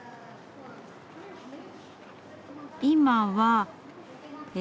今はえ